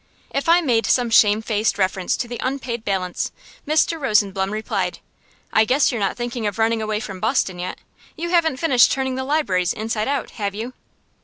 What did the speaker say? If I made some shame faced reference to the unpaid balance, Mr. Rosenblum replied, "I guess you're not thinking of running away from Boston yet. You haven't finished turning the libraries inside out, have you?"